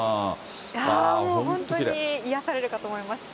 本当に癒やされるかと思います。